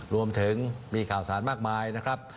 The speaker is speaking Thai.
รวมถึงมีข่าวสารมากมายนะครับ